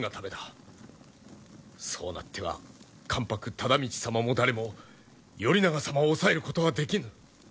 そうなっては関白忠通様も誰も頼長様を抑えることはできぬ。